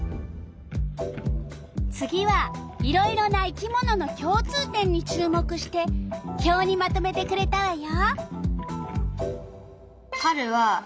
次はいろいろな生き物のきょう通点に注目して表にまとめてくれたわよ。